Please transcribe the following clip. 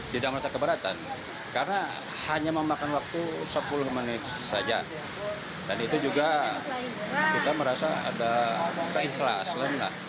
tidak merasa keberatan karena hanya memakan waktu sepuluh menit saja dan itu juga kita merasa ada keikhlasan